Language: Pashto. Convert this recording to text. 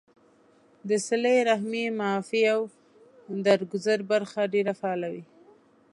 د صله رحمۍ ، معافۍ او درګذر برخه ډېره فعاله وي